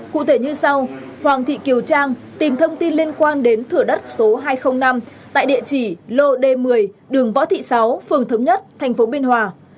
cụ thể như sau hoàng thị kiều trang tìm thông tin liên quan đến thửa đất số hai trăm linh năm tại địa chỉ lô d một mươi đường võ thị sáu phường thống nhất tp biên hòa